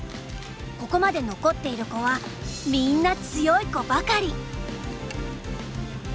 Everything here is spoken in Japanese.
ここまで残っている子はみんな強い子ばかり。